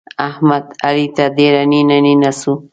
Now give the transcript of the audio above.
احمد؛ علي ته ډېر نينه نينه سو.